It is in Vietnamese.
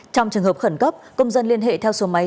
trong trường hợp khẩn cấp công dân liên hệ theo số máy